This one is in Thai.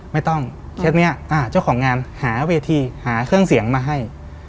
ไม่ต้องเคสนี้เจ้าของงานหาเวทีหาเครื่องเสียงมาให้